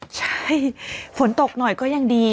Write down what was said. ใช่ฝนตกหน่อยก็ยังดี